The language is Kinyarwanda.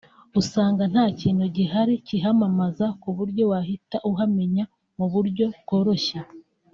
usanga nta kintu gihari kihamamaza ku buryo wahita uhamenya mu buryo bworoshye